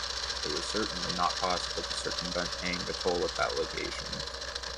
It was certainly not possible to circumvent paying the toll at that location.